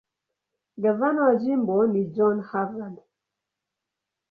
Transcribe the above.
Gavana wa jimbo ni John Harvard.